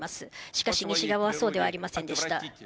しかし西側はそうではありませんでした。